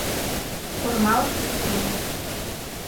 Кормалык люпиным.